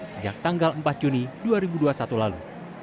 sejak tanggal empat juni dua ribu dua puluh satu lalu